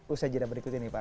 usai jeda berikut ini pak